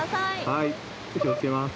はい気をつけます。